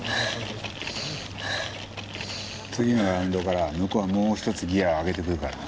次のラウンドから向こうはもう一つギア上げてくるからな。